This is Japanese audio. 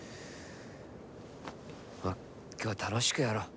まあ今日は楽しくやろう。